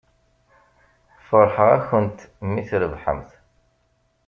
Feṛḥeɣ-akent mi trebḥemt.